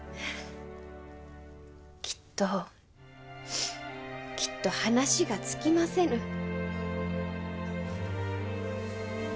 きっときっと話が尽きませぬ。